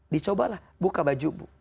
dicobalah buka baju